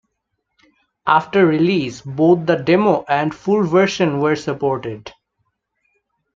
After release both the demo and full version were supported.